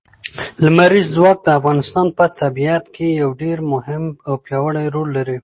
لمریز ځواک د افغانستان په طبیعت کې یو ډېر مهم او پیاوړی رول لري.